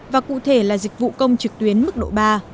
và cụ thể là dịch vụ công trực tuyến mức độ ba